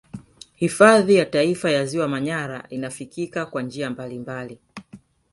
Hifadhi ya Taifa ya ziwa Manyara inafikika kwa njia mbalimbali